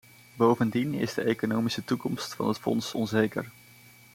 Bovendien is de economische toekomst van het fonds onzeker.